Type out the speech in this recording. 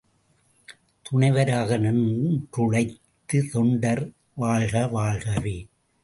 துணைவராக நின்று ழைத்த தொண்டர் வாழ்க, வாழ்கவே!